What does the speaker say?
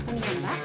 mbak mbak mbak